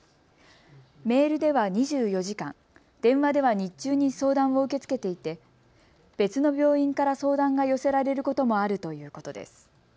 メールでは２４時間、電話では日中に相談を受け付けていて別の病院から相談が寄せられることもあるということです。